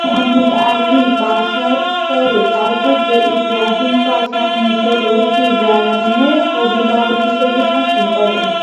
Muhammad Ali পাশার পরে তার পুত্র ইবরাহিম পাশা মিশর ও সুদানের অভিভাবক হিসেবে শাসন করেন।